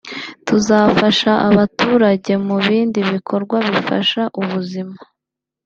“Tuzafasha abaturage mu bindi bikorwa bifasha ubuzima